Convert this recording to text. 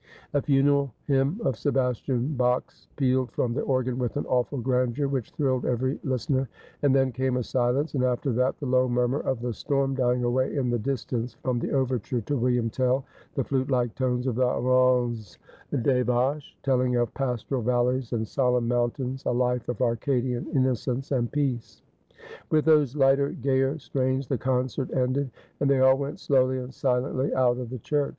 A funeral hymn of Sebastian Bach's pealed from the organ with an awful grandeur which thrilled every listener ; and then came a silence, and after that the low murmur of the storm dying away in the distance, from the overture to ' William Tell,' the flutelike tones of the ' llanz aes Vaches,' telling of pastoral valleys and solemn mountains, a life of Arcadian innocence and peace. With those lighter, gayer strains the concert ended, and they all went slowly and silently out of the church.